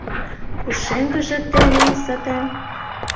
Пушеҥгыже те лийза да